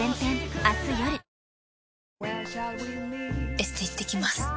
エステ行ってきます。